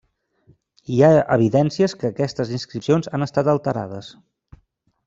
Hi ha evidències que aquestes inscripcions han estat alterades.